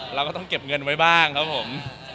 เราก็ต้องเก็บเงินไว้บ้างครับผม